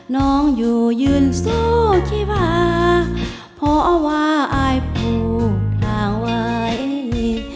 น้องอยู่ยืนสู้ชีวาเพราะว่าอายผูกทางไว้